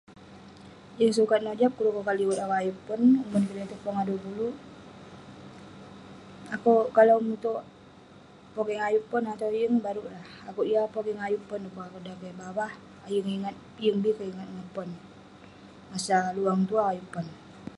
Yeng sukat nojap korek kokat liwet akouk ayuk pon, umon kik da itouk pongah duah puluk..akouk kalau mutouk pogeng ayuk pon atau yeng, baruk lah..akouk yeng akouk pogeng ayuk pon pu'kuk akouk pogeng bavah..yeng bi keh ingat ngan pon..masa luang tuerk ayuk pon..